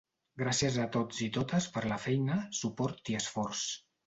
Gràcies a tots i totes per la feina, suport i esforç.